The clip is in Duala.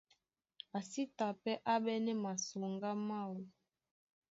A sí ta pɛ́ á ɓɛ́nɛ́ masoŋgá máō.